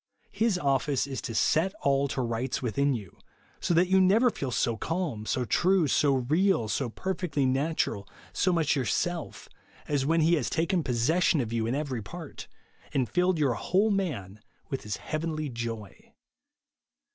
His office is to " set all to rights " withia you ; so that you never feel so calm, so true, so real, so perfectly natural, so much yourself, — as when He has taken possession of 3^ou in every part ; and filled your whole man with his heavenly joy.